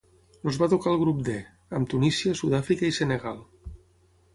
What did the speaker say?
Els va tocar el grup D, amb Tunísia, Sud-àfrica i Senegal.